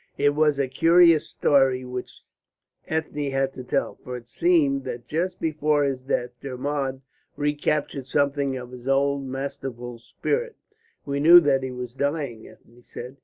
It was a curious story which Ethne had to tell, for it seemed that just before his death Dermod recaptured something of his old masterful spirit. "We knew that he was dying," Ethne said.